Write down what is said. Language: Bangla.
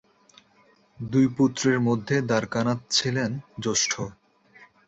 দুই পুত্রের মধ্যে দ্বারকানাথ ছিলেন জ্যেষ্ঠ।